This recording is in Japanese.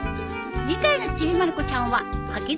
次回の『ちびまる子ちゃん』は。